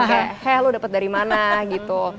kayak heh lu dapet dari mana gitu